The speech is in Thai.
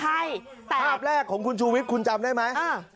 ใช่แต่ภาพแรกของคุณชูวิทย์คุณจำได้ไหม